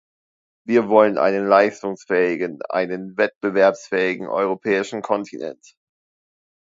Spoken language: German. Wir wollen einen leistungsfähigen, einen wettbewerbsfähigen europäischen Kontinent.